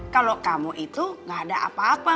kalau kamu itu gak ada apa apa